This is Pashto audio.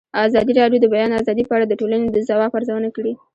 ازادي راډیو د د بیان آزادي په اړه د ټولنې د ځواب ارزونه کړې.